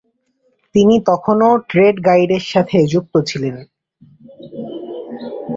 তিনি তখনও "trade guide" এর সাথে যুক্ত ছিলেন।